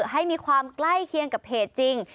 ให้มีความใกล้เคียงกับเพจจริง